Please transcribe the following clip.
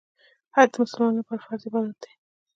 حج د مسلمانانو لپاره فرض عبادت دی.